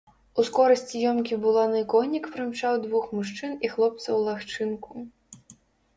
Ускорасці ёмкі буланы конік прымчаў двух мужчын і хлопца ў лагчынку.